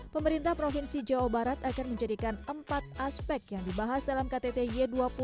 pemerintah provinsi jawa barat akan menjadikan empat aspek yang dibahas dalam ktt y dua puluh